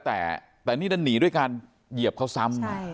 แต่นี่ดันหนีด้วยการเหยียบเขาซ้ำ